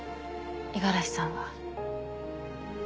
五十嵐さんは。